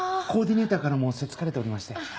コーディネーターからもせっつかれておりまして。